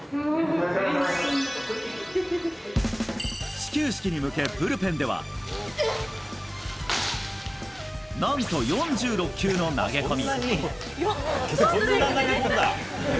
始球式に向けブルペンでは何と、４６球の投げ込み。